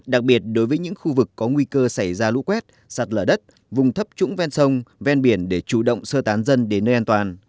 đặc biệt đối với những khu vực có nguy cơ xảy ra lũ quét sạt lở đất vùng thấp trũng ven sông ven biển để chủ động sơ tán dân đến nơi an toàn